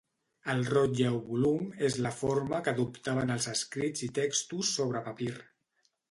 El rotlle o volum és la forma que adoptaven els escrits i textos sobre papir.